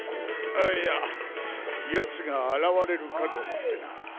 あいや奴が現れるかと思ってな。